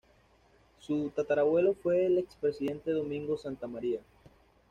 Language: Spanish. Su tatarabuelo fue el expresidente Domingo Santa Maria.